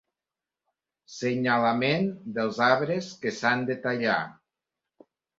Senyalament dels arbres que s'han de tallar.